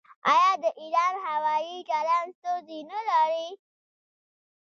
آیا د ایران هوايي چلند ستونزې نلري؟